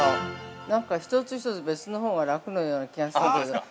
◆なんか、１つ１つ別のほうが楽のような気がするけど。